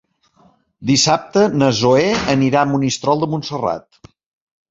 Dissabte na Zoè anirà a Monistrol de Montserrat.